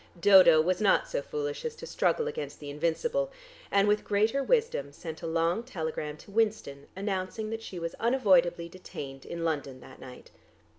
Dodo was not so foolish as to struggle against the invincible, and with greater wisdom sent a long telegram to Winston announcing that she was unavoidably detained in London that night.